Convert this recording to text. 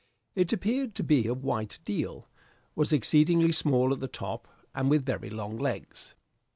It appeared to be of white deal, was exceedingly small at the top, and with very long legs.